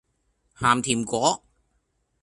鹹甜粿